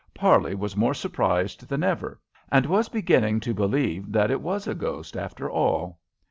Parley was more surprised than ever, and was beginning to believe that It was a ghost, after all.